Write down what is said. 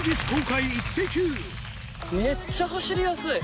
めっちゃ走りやすい。